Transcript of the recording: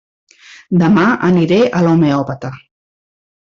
Demà aniré a l'homeòpata.